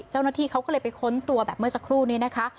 เจ้าหน้าที่เขาก็เลยไปค้นตัวแบบเมื่อสักครู่นี้นะคะ